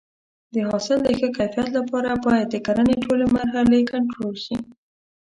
د حاصل د ښه کیفیت لپاره باید د کرنې ټولې مرحلې کنټرول شي.